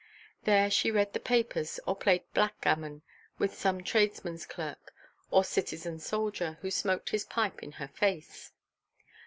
There she read the papers or played backgammon with some tradesman's clerk or citizen soldier, who smoked his pipe in her face.